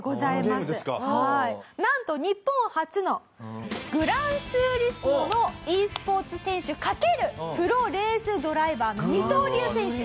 なんと日本初の『グランツーリスモ』のｅスポーツ選手掛けるプロレースドライバーの二刀流選手。